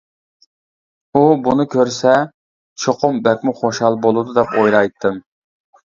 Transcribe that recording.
ئۇ بۇنى كۆرسە چوقۇم بەكمۇ خۇشال بولىدۇ دەپ ئويلايتتىم.